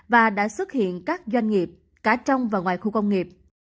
và đã xuất hiện các doanh nghiệp cả trong và ngoài khu công nghiệp